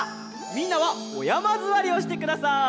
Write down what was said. みんなはおやまずわりをしてください。